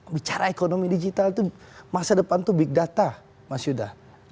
bicara ekonomi digital itu masa depan itu big data mas yuda